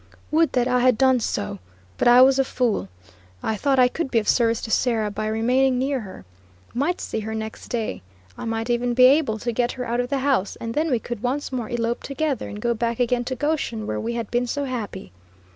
Would that I had done so; but I was a fool; I thought I could be of service to Sarah by remaining near her; might see her next day; I might even be able to get her out of the house, and then we could once more elope together and go back again to Goshen where we had been so happy.